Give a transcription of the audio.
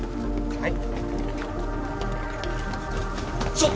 はい。